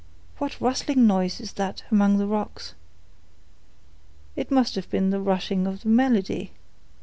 "What rustling noise is that among the rocks?" "It must have been the rushing of the melody.